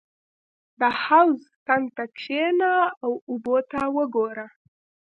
• د حوض څنګ ته کښېنه او اوبه ته وګوره.